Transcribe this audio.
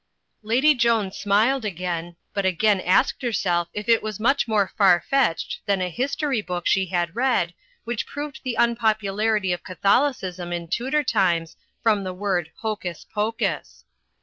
Lady Joan smiled again, but again asked herself if it was much more farfetched than a history book she had read, which proved the unpopularity of Catholicism in Tudor times from the word "hocus pocus."